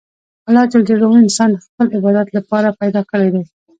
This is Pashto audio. الله جل جلاله انسان د خپل عبادت له پاره پیدا کړى دئ.